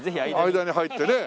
間に入ってね。